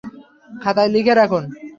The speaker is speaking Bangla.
খাতায় লিখে রাখুন।